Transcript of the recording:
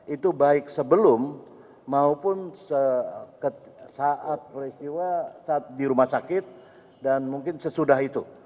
itu baik sebelum maupun saat peristiwa di rumah sakit dan mungkin sesudah itu